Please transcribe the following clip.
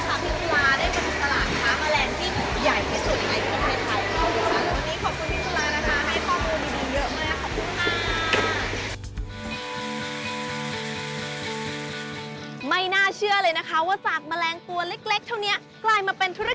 โอ้โหวันนี้ตื่นเซาะตื่นใจมากค่ะพี่สุรา